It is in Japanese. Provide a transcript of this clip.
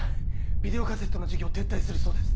ビデオカセットの事業撤退するそうです。